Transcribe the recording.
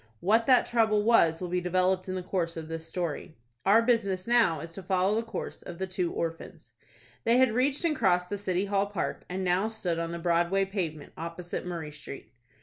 What that trouble was will be developed in the course of the story. Our business now is to follow the course of the two orphans. They had reached and crossed the City Hall Park, and now stood on the Broadway pavement, opposite Murray Street.